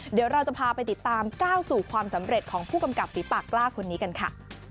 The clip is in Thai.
เดี๋ยวเราจะพาไปติดตามก้าวสู่ความสำเร็จของผู้กำกับฝีปากกล้าคนนี้กันค่ะ